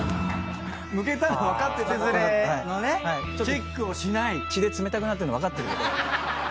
むけたの分かっててチェックをしない⁉血で冷たくなってるの分かってるけど。